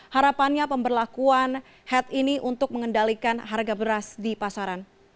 harapannya pemberlakuan head ini untuk mengendalikan harga beras di pasaran